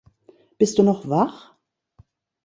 Bist du noch wach?